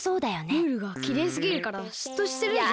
ムールがきれいすぎるからしっとしてるんじゃない？